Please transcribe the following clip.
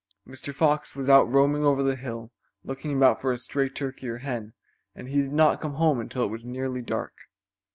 Mr. Fox was out roaming over the hill, looking about for a stray turkey or hen, and he did not come home until it was nearly dark.